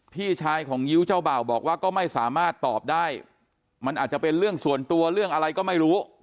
พี่ชายของยิ้วเจ้าบ่าวบอกว่าก็ไม่สามารถตอบได้มันอาจจะเป็นเรื่องส่วนตัวเรื่องอะไรก็ไม่รู้